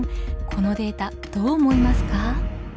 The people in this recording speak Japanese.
このデータどう思いますか？